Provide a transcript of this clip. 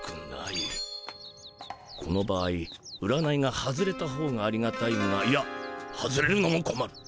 この場合占いが外れたほうがありがたいがいや外れるのもこまる。